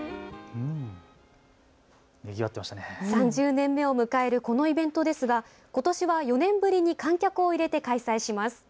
３０年目を迎えるこのイベントですが、ことしは４年ぶりに観客を入れて開催します。